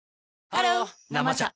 ハロー「生茶」